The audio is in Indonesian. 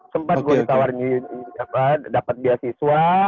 sempat gue ditawarin dapat beasiswa